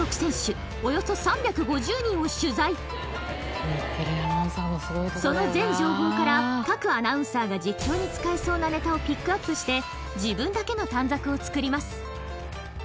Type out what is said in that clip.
これはが手分けしてその全情報から各アナウンサーが実況に使えそうなネタをピックアップして自分だけの短冊を作ります